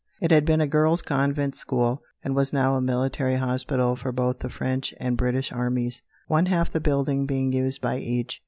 It had been a girls' convent school, and was now a military hospital for both the French and British armies, one half the building being used by each.